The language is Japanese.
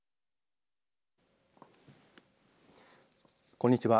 こんにちは。